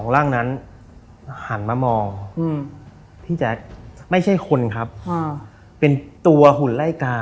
ร่างนั้นหันมามองพี่แจ๊คไม่ใช่คนครับเป็นตัวหุ่นไล่กา